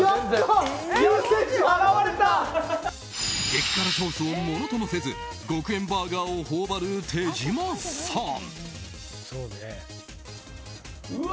激辛ソースをものともせず獄炎バーガーをほおばる手島さん。